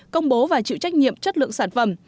công bố và chịu trách nhiệm chất lượng sản phẩm